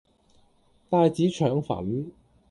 帶子腸粉